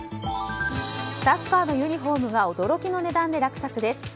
サッカーのユニホームが驚きの価格で落札です。